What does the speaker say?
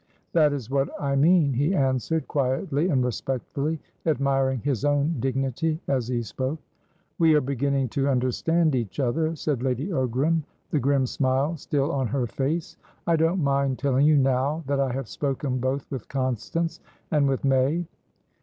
"That is what I mean," he answered, quietly and respectfully, admiring his own dignity as he spoke. "We are beginning to understand each other," said Lady Ogram, the grim smile still on her face. "I don't mind telling you, now, that I have spoken both with Constance and with May."